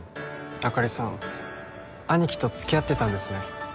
あかりさん兄貴と付き合ってたんですね